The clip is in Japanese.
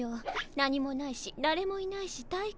何もないしだれもいないし退屈。